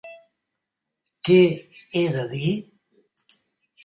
Què he de dir?